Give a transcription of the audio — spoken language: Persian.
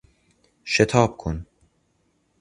شتاب کن!